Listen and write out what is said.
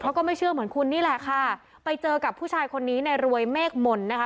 ก็ไม่เชื่อเหมือนคุณนี่แหละค่ะไปเจอกับผู้ชายคนนี้ในรวยเมฆมนต์นะคะ